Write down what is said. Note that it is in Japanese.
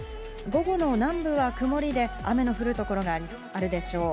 午後の南部は曇りで雨の降る所があるでしょう。